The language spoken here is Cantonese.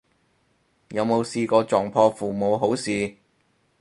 有冇試過撞破父母好事